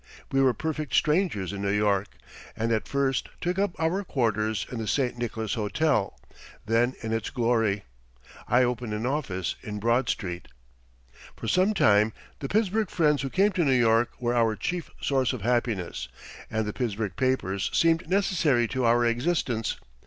We were perfect strangers in New York, and at first took up our quarters in the St. Nicholas Hotel, then in its glory. I opened an office in Broad Street. For some time the Pittsburgh friends who came to New York were our chief source of happiness, and the Pittsburgh papers seemed necessary to our existence.